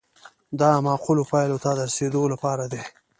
دا معقولو پایلو ته د رسیدو لپاره دی.